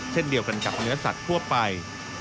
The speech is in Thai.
เช่นเดียวกันกับเนื้อสัตว์ทั่วไป